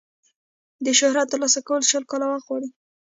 د شهرت ترلاسه کول شل کاله وخت غواړي.